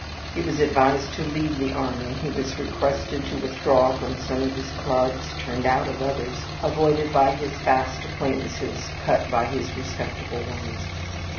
He was advised to leave the army; he was requested to withdraw from some of his clubs, turned out of others, avoided by his fast acquaintances, cut by his respectable ones.